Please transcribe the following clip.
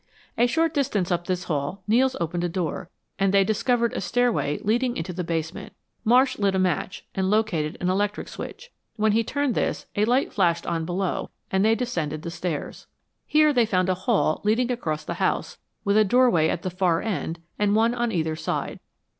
A short distance up this hall Nels opened a door, and they discovered a stairway leading into the basement. Marsh lit a match and located an electric switch. When he turned this a light flashed on below and they descended the stairs. Here they found a hall leading across the house, with a doorway at the far end, and one on either side.